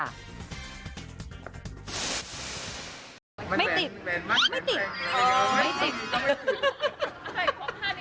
ไม่ติด